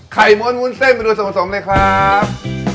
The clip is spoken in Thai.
ไข่ม้วนวุ้นเส้นไปดูสมสมเลยครับ